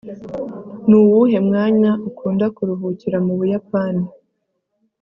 nuwuhe mwanya ukunda kuruhukira mu buyapani